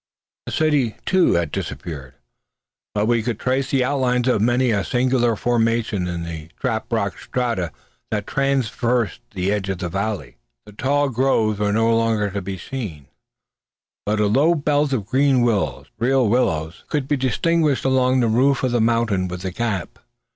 The city, too, had disappeared; but we could trace the outlines of many a singular formation in the trap rock strata that traversed the edge of the valley. The tall groves were no longer to be seen; but a low belt of green willows, real willows, could be distinguished along the foot of the mountain within the gap.